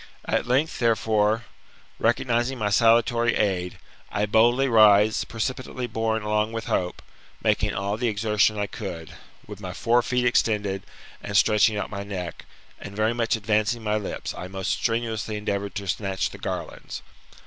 At length, therefore, recognising my salutary aid, I boldly rise, precipitately borne along with hope, making all the exertion I could, with my fore feet extended, and stretching out my neck, and very much advancing my lips, I most strenuously endeavoured to snatch the garlands.